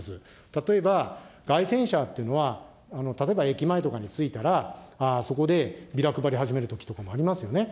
例えば街宣車っていうのは、例えば駅前とかに着いたら、そこでビラ配り始めるときもありますよね。